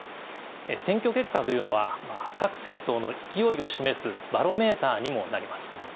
選挙結果というのは各政党の勢いを示すバロメーターにもなります。